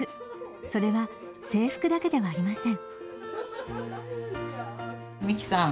それは制服だけではありません。